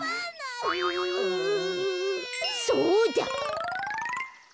そうだ！